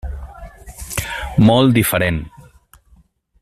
Molt diferent.